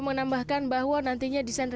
memang kantor kami itu kantor